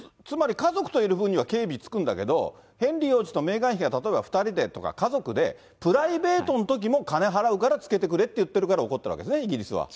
つまり、家族といる分には警備つくんだけど、ヘンリー王子とメーガン妃が例えば２人でとか、家族で、プライベートのときも金払うからつけてくれって言っているから怒そうですね。